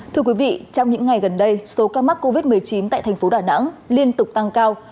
thưa quý vị trong những ngày gần đây số ca mắc covid một mươi chín tại thành phố đà nẵng liên tục tăng cao